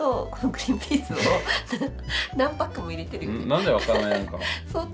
なんで分からないのか。